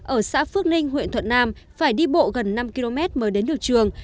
ở xã phước ninh huyện thuận nam phải đi bộ gần năm km mới đến được trường